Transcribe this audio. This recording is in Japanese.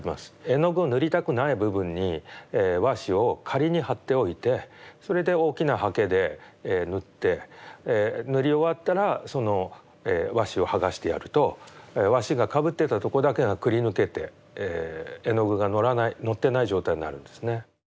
絵の具を塗りたくない部分に和紙を仮に貼っておいてそれで大きなはけで塗って塗り終わったらその和紙を剥がしてやると和紙がかぶってたとこだけがくりぬけて絵の具がのらないのってない状態になるんですね。